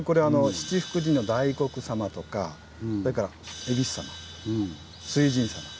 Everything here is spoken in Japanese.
七福神の大黒様とかそれからえびす様水神様